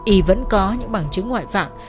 y vẫn có những bằng chứng ngoại phạm